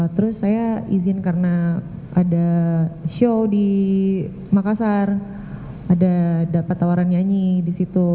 terus saya izin karena ada show di makassar ada dapat tawaran nyanyi di situ